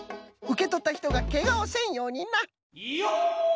うけとったひとがけがをせんようにな！